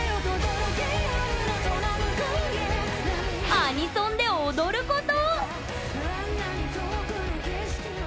アニソンで踊ること！